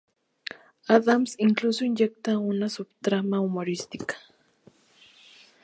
Adams incluso inyecta una sub-trama humorística.